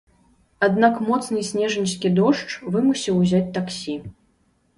Аднак моцны снежаньскі дождж вымусіў узяць таксі.